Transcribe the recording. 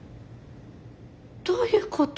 どういうこと？